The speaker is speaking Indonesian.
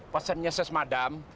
pesannya ses madam